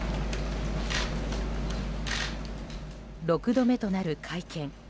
６度目となる会見。